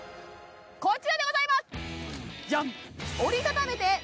こちらでございますじゃん！